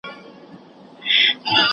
¬ د بل جنگ لوى اختر دئ.